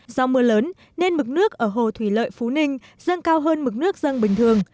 do mưa lớn nên mực nước ở hồ thủy lợi phú ninh dâng cao hơn mực nước dân bình thường